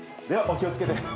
ではお気を付けて。